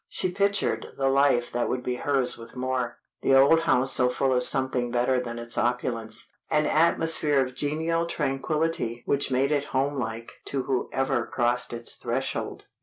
She pictured the life that would be hers with Moor. The old house so full of something better than its opulence, an atmosphere of genial tranquillity which made it home like to whoever crossed its threshold.